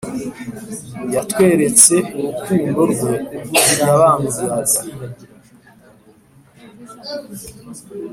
yatweretse urukundo rwe, ubwo yabambwaga